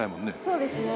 そうですね。